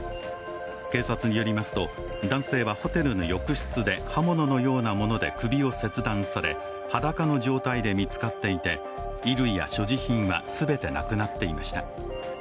警察によりますと、男性はホテルの浴室で刃物のようなもので首を切断され裸の状態で見つかっていて衣類や所持品は全てなくなっていました。